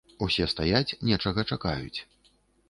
Усе стаяць, нечага чакаюць.